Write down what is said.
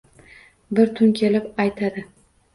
Bir tun kelib aytadi.